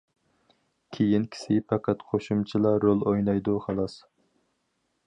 كېيىنكىسى پەقەت قوشۇمچىلار رول ئوينايدۇ خالاس.